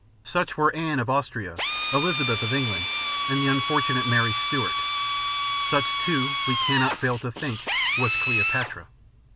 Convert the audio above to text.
Such were Anne of Austria, Elizabeth of England, and the unfortunate Mary Stuart. Such, too, we cannot fail to think, was Cleopatra.